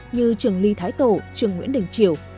như trường ly thái tổ trường nguyễn đình triều